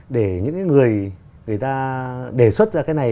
để những cái người người ta đề xuất ra cái này